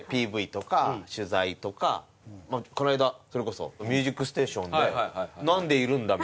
ＰＶとか取材とかこの間それこそ『ミュージックステーション』で「なんでいるんだ？」